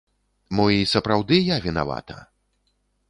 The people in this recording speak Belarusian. Мо і сапраўды я вінавата?